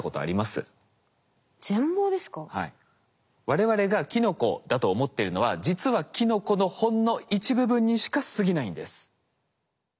我々がキノコだと思ってるのは実はキノコのほんの一部分にしかすぎないんです。